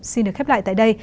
xin được khép lại tại đây